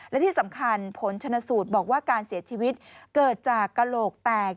และที่สำคัญผลชนสูตรบอกว่าการเสียชีวิตเกิดจากกระโหลกแตก